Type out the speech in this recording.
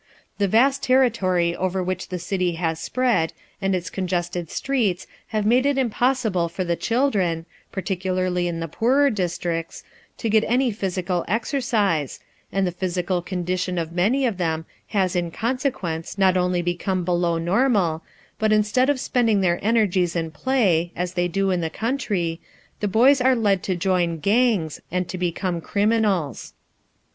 The vast territory over which the city has spread, and its congested streets have made it impossible for the children (particularly in the poorer districts), to get any physical exercise, and the physical condition of many of them has in consequence not only become below normal, but instead of spending their energies in play, as they do in the country, the boys are led to join "gangs" and to become criminals.